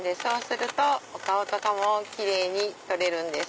お顔とかもキレイに撮れるんです。